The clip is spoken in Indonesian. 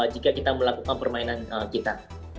jika kita melakukan permainan kita